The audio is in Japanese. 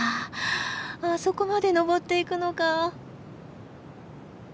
そこまで登っていくのか。